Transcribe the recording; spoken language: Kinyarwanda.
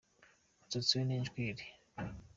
umusatsi we ni injwiri